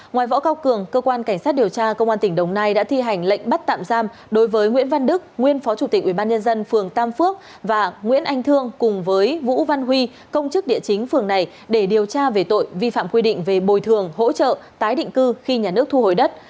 ngoài võ cao cường cơ quan cảnh sát điều tra công an tỉnh đồng nai đã thi hành lệnh bắt tạm giam đối với nguyễn văn đức nguyên phó chủ tịch ubnd phường tam phước và nguyễn anh thương cùng với vũ văn huy công chức địa chính phường này để điều tra về tội vi phạm quy định về bồi thường hỗ trợ tái định cư khi nhà nước thu hồi đất